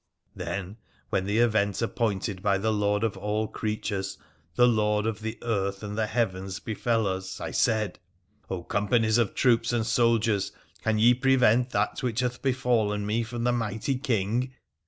Then, when the event appointed by the Lord of all creatures, the Lord ol the earth and the heavens, befell us, I said, companies of troops and soldiers, can ye prevent that which hath befallen me from the Mighty King